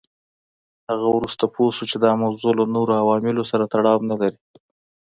هغه وروسته پوه شو چې دا موضوع له نورو عواملو سره تړاو نه لري.